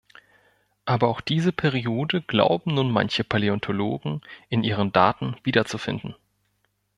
Aber auch diese Periode glauben nun manche Paläontologen in ihren Daten wiederzufinden.